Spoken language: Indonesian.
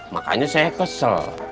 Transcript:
makanya saya kesel